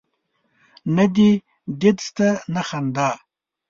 نه دي دید سته نه خندا